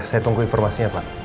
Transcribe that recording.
saya tunggu informasinya pak